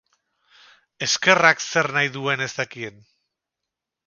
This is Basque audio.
Eskerrak zer nahi duen ez dakien!